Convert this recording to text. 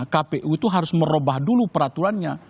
kpu itu harus merubah dulu peraturannya